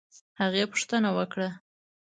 هغې پوښتنه وکړه